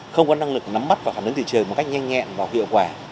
không có năng lực nắm bắt và khả năng thị trường một cách nhanh nhẹn và hiệu quả